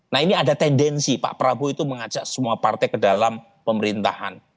nah ini ada tendensi pak prabowo itu mengajak semua partai ke dalam pemerintahan